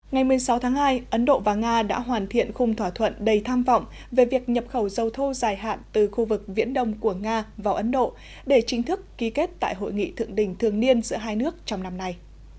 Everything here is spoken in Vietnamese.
ngày một mươi sáu tháng hai ấn độ và nga đã hoàn thiện khung thỏa thuận đầy tham vọng về việc nhập khẩu dầu thô dài hạn từ khu vực viễn đông của nga vào ấn độ để chính thức ký kết tại hội nghị thượng đỉnh thường niên giữa hai nước trong năm nay